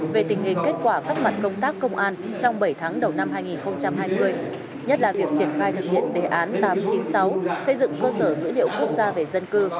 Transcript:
về tình hình kết quả các mặt công tác công an trong bảy tháng đầu năm hai nghìn hai mươi nhất là việc triển khai thực hiện đề án tám trăm chín mươi sáu xây dựng cơ sở dữ liệu quốc gia về dân cư